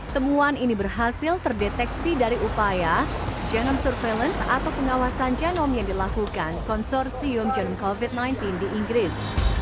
temuan ini berhasil terdeteksi dari upaya genome surveillance atau pengawasan genom yang dilakukan konsorsium genome covid sembilan belas di inggris